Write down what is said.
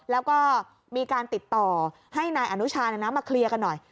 แล้วก็มีการติดต่อให้นายอนุชามาเคลียร์กันหน่อย